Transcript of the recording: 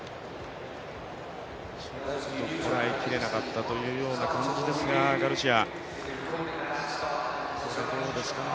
ちょっとこらえきれなかったというような感じですがガルシア。